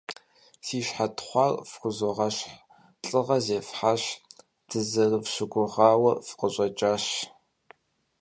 Си щхьэ тхъуар фхузогъэщхъ, лӀыгъэ зефхьащ, дызэрыфщыгугъауэ фыкъыщӀэкӀащ!